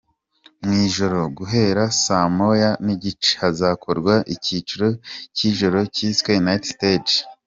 Mu ijoro guhera saa moya n’igice , hazakorwa icyiciro cy’ijoro cyiswe “Night Stage”.